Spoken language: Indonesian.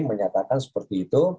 menyatakan seperti itu